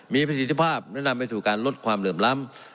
มีประสิทธิภาพและนำไปสู่การลดความเหลื่อมล้ำ